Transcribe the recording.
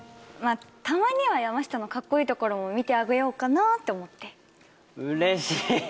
あたまには山下のかっこいいところも見てあげようかなって思ってうれしい！